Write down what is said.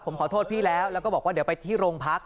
ผมขอโทษพี่แล้วแล้วก็บอกว่าเดี๋ยวไปที่โรงพัก